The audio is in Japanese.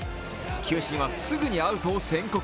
球審はすぐにアウトを宣告。